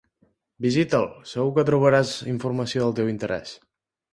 Visita'l, segur que trobaràs informació del teu interès.